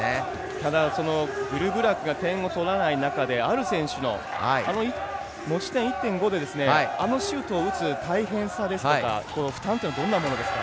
ただグルブラクが点を取らない中でアル選手の持ち点１．５であのシュートを打つ大変さですとか負担はどんなものですか？